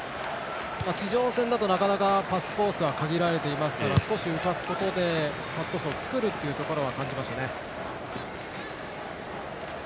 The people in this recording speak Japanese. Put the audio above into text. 地上戦だとなかなかパスコースは限られていますから少し浮かせることでパスコースを作るというところは感じましたね。